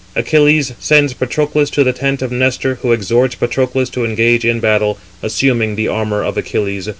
Achilles sends Patroclus to the tent of Nestor, who exhorts Patroclus to engage in battle, assuming the armour of Achilles.